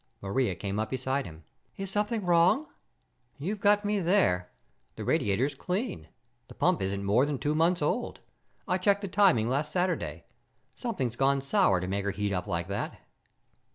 Maria came up beside him. "Is something wrong?" "You've got me there. The radiator's clean. The pump isn't more than two months old. I checked the timing last Saturday. Something's gone sour to make her heat up like that."